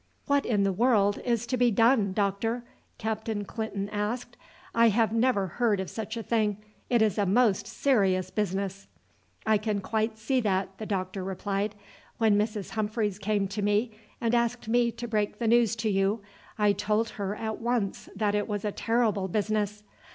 "What in the world is to be done, doctor?" Captain Clinton asked. "I never heard of such a thing, it is a most serious business." "I can quite see that," the doctor replied. "When Mrs. Humphreys came to me and asked me to break the news to you, I told her at once that it was a terrible business.